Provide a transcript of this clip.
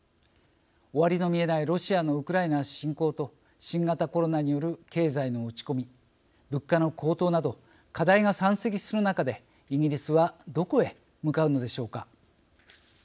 終わりの見えないロシアのウクライナ侵攻と新型コロナによる経済の落ち込み物価の高騰など課題が山積する中でイギリスはどこへ向かうのでしょうか。